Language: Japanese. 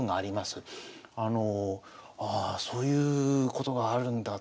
ああそういうことがあるんだと。